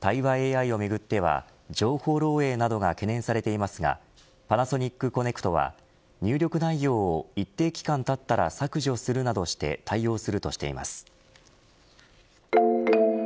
対話ＡＩをめぐっては情報漏えいなどが懸念されていますがパナソニックコネクトは入力内容を一定期間経ったら削除するなどして対応するとしています。